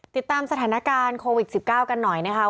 ติดตามสถานการณ์โควิด๑๙กันหน่อยนะคะ